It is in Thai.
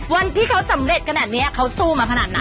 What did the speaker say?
วันที่เขาสำเร็จขนาดนี้เขาสู้มาขนาดไหน